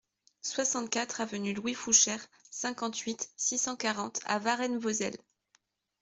soixante-quatre avenue Louis Fouchere, cinquante-huit, six cent quarante à Varennes-Vauzelles